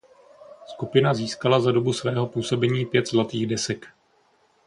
Skupina získala za dobu svého působení pět zlatých desek.